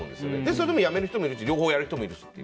それで辞める人もいるし両方やる人もいるし。